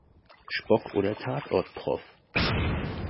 Spock oder Tatort-Prof.